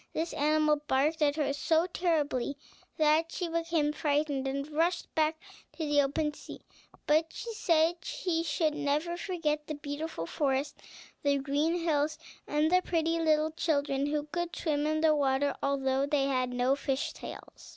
This animal barked at her so terribly that she became frightened, and rushed back to the open sea. But she said she should never forget the beautiful forest, the green hills, and the pretty little children who could swim in the water, although they had not fish's tails.